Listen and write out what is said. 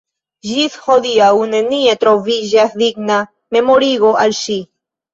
Ĝis hodiaŭ nenie troviĝas digna memorigo al ŝi.